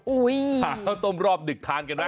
อุ้ยหาต้มรอบดึกทานกันนะ